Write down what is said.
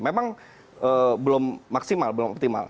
memang belum maksimal belum optimal